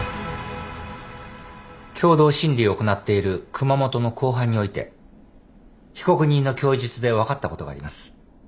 共同審理を行っている熊本の公判において被告人の供述で分かったことがあります。